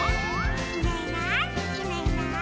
「いないいないいないいない」